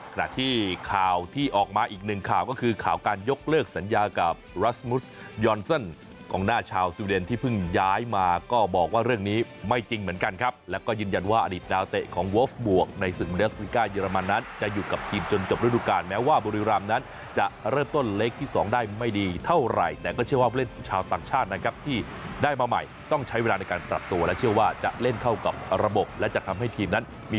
ขณะที่ข่าวที่ออกมาอีกหนึ่งข่าวก็คือข่าวการยกเลิกสัญญากับรัสมุทรยอนเซินของหน้าชาวซิวเดนที่พึ่งย้ายมาก็บอกว่าเรื่องนี้ไม่จริงเหมือนกันครับแล้วก็ยืนยันว่าอดีตนาวเตะของวอลฟบวกในศึกมนตรีอักษณิกายเยอรมันนั้นจะอยู่กับทีมจนจบฤทธิการแม้ว่าบุริรัมนั้นจะเริ่มต้นเล็กที่